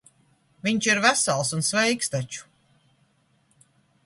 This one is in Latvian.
Viņš ir vesels un sveiks taču.